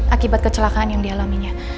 akibat kecelakaan yang dialaminya